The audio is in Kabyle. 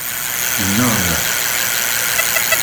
Yenneɣna.